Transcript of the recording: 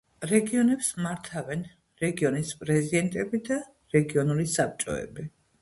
რეგიონებს მართავენ რეგიონის პრეზიდენტები და რეგიონული საბჭოები.